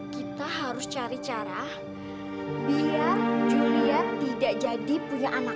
kita harus cari cara biar julia tidak jadi punya anak